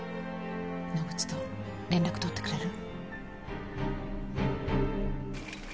野口と連絡取ってくれる？